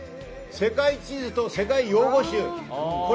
世界地図と世界用語集。